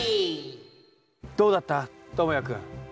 どうだった？ともやくん。